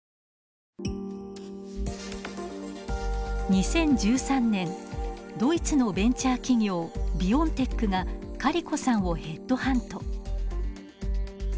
２０１３年ドイツのベンチャー企業ビオンテックがカリコさんをヘッドハント。